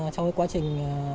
trong cái quá trình